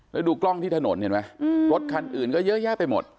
แล้วดูกล้องที่ถนนเห็นไหมรถคันอื่นก็เยอะแยะไปหมด